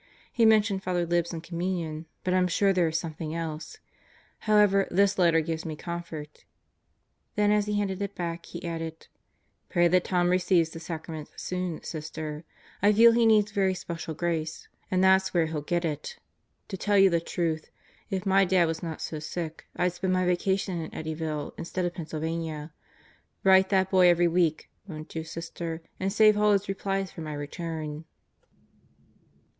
He mentioned Father Libs and Communion, but I'm sure there is something else. However, this letter gives me comfort." Then as he handed it back he added, "Pray that Tom receives the Sacraments soon, Sister. I feel he needs very special grace; and Satan in the Cell Block 91 that's where hell get it. To tell you the truth, if my dad was not so sick, I'd spend my vacation in Eddyville, instead of Pennsylvania. Write that boy every week, won't you, Sister; and save all his replies for my return."